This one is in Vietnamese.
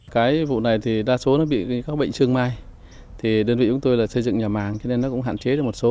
cái vụ này thì đa số nó bị các bệnh trương mai thì đơn vị chúng tôi là xây dựng nhà màng cho nên nó cũng hạn chế được một số